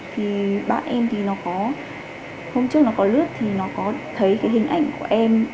thì bạn em thì nó có hôm trước nó có lướt thì nó có thấy cái hình ảnh của em ở trên tinder